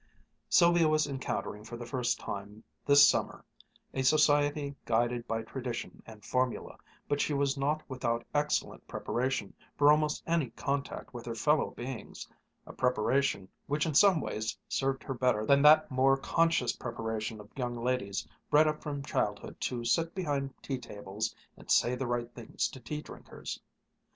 Sylvia was encountering for the first time this summer a society guided by tradition and formula, but she was not without excellent preparation for almost any contact with her fellow beings, a preparation which in some ways served her better than that more conscious preparation of young ladies bred up from childhood to sit behind tea tables and say the right things to tea drinkers.